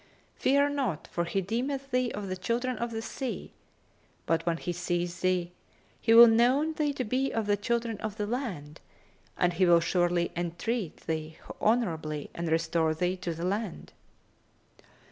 Fear not, for he deemeth thee of the children of the sea; but, when he seeth thee, he will know thee to be of the children of the land, and he will surely entreat thee honourably and restore thee to the land."